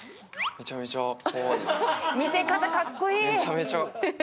見せ方、かっこいい。